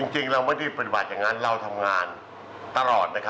จริงเราไม่ได้ปฏิบัติอย่างนั้นเราทำงานตลอด